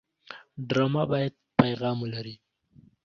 ډرامه باید پیغام ولري